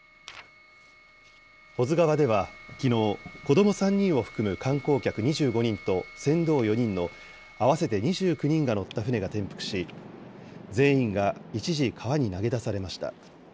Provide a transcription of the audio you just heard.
保津川ではきのう、子ども３人を含む観光客２５人と船頭４人の合わせて２９人が乗った船が転覆し、全員が一時、川に投げ出されました。